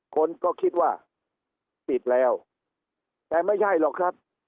คนก็คิดว่าปิดแล้วแต่ไม่ใช่หรอกครับ